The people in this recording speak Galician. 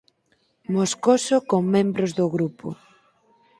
Moscoso con membros do grupo